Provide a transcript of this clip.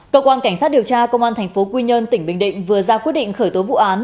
cơ quan cảnh sát điều tra công an tp quy nhơn tỉnh bình định vừa ra quyết định khởi tố vụ án